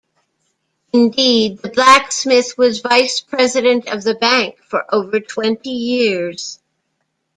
Indeed, the blacksmith was Vice-President of the bank for over twenty years.